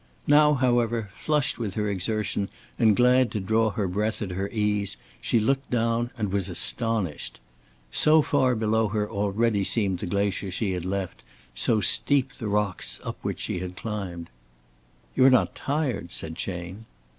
Now, however, flushed with her exertion and glad to draw her breath at her ease, she looked down and was astonished. So far below her already seemed the glacier she had left, so steep the rocks up which she had climbed. "You are not tired?" said Chayne.